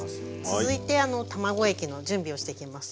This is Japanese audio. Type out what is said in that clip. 続いて卵液の準備をしていきます。